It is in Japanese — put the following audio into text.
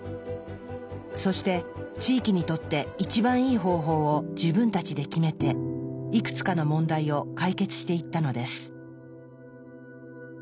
そして地域にとって一番いい方法を自分たちで決めていくつかの問題を解決していったのです。